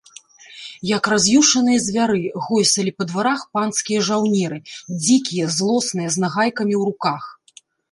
Як раз'юшаныя звяры, гойсалі па дварах панскія жаўнеры, дзікія, злосныя, з нагайкамі ў руках.